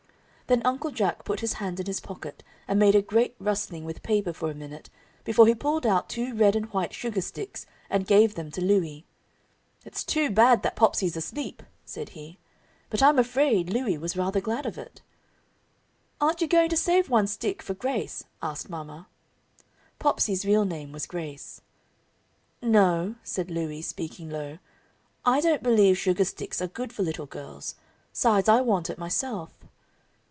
Then Uncle Jack put his hand in his pocket and made a great rustling with paper for a minute before he pulled out two red and white sugar sticks and gave them to Louie. "It's too bad that Popsey's asleep," said he. But I'm afraid Louie was rather glad of it. "Aren't you going to save one stick for Grace?" asked mama. Popsey's real name was Grace. "No," said Louie, speaking low. "I don't believe sugar sticks are good for little girls. 'Sides, I want it myself."